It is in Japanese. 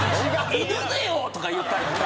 「いくぜよ！」とか言ったりとか。